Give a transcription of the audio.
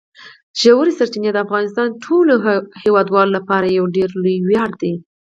ژورې سرچینې د افغانستان د ټولو هیوادوالو لپاره یو ډېر لوی ویاړ دی.